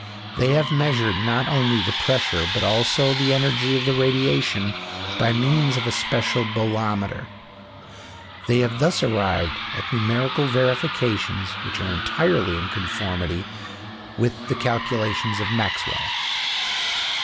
They have measured not only the pressure, but also the energy of the radiation by means of a special bolometer. They have thus arrived at numerical verifications which are entirely in conformity with the calculations of Maxwell.